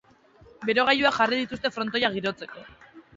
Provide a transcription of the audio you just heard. Berogailuak jarri dituzte frontoia girotzeko.